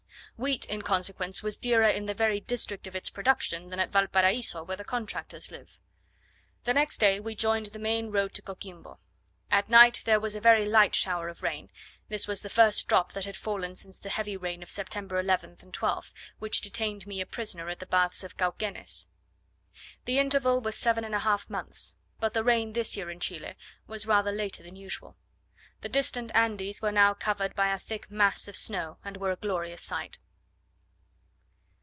Wheat in consequence was dearer in the very district of its production than at Valparaiso, where the contractors live. The next day we joined the main road to Coquimbo. At night there was a very light shower of rain: this was the first drop that had fallen since the heavy rain of September 11th and 12th, which detained me a prisoner at the Baths of Cauquenes. The interval was seven and a half months; but the rain this year in Chile was rather later than usual. The distant Andes were now covered by a thick mass of snow, and were a glorious sight.